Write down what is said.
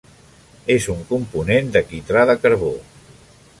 És un component de quitrà de carbó.